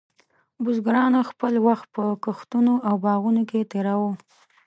بزګرانو خپل وخت په کښتونو او باغونو کې تېراوه.